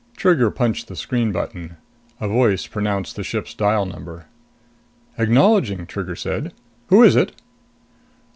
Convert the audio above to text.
Trigger punched the screen button. A voice pronounced the ship's dial number. "Acknowledging," Trigger said. "Who is it?"